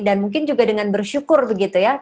dan mungkin juga dengan bersyukur begitu ya